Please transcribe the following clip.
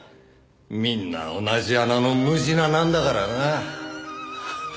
みんな同じ穴のムジナなんだからな。